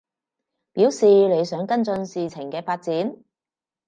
表示你想跟進事情嘅發展